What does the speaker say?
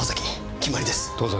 決まりです。